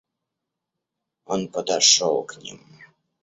Он подошел к ним.